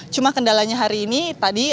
cuma kendalanya hari ini